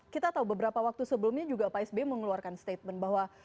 kita tahu beberapa waktu sebelumnya juga pak sby mengeluarkan statement bahwa